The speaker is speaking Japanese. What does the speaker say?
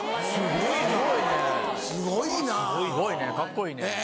すごいね。